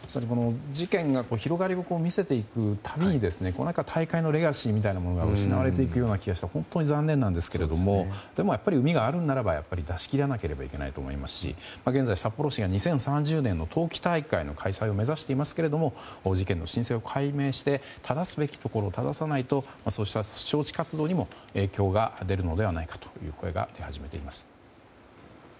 事件が広がりを見せていく度に大会のレガシーみたいなものが失われていくような気がして本当に残念なんですがやっぱり膿があるんだったら出し切らなければいけないと思いますし札幌市が現在２０３０年の冬季大会の開催を目指していますが事件の真相を解明して正すべきところを正さないと招致活動にも影響が出るのではないかという声が出始めています。